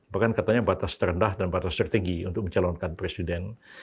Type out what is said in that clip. bahkan katanya batas terendah dan batas tertinggi untuk mencalonkan presiden